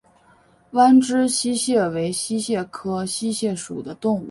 弯肢溪蟹为溪蟹科溪蟹属的动物。